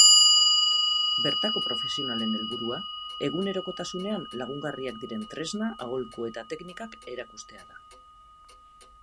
Bertako profesionalen helburua egunerokotasunean lagungarriak diren tresna, aholku eta teknikak erakustea da.